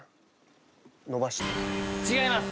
違います。